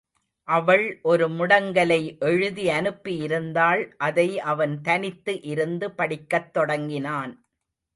அவள் ஒரு முடங்கலை எழுதி அனுப்பி இருந்தாள் அதை அவன் தனித்து இருந்து படிக்கத் தொடங்கினான்.